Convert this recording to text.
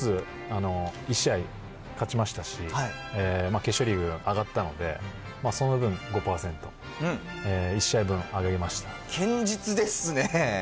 １つ、１試合勝ちましたし、決勝リーグ上がったので、その分、５％、堅実ですね。